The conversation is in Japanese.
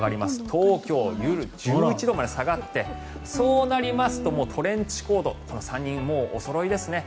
東京、夜１１度まで下がってそうなりますとトレンチコート３人もうおそろいですね。